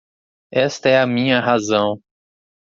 Esta é a minha razão